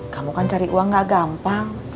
kamu kan cari uang gak gampang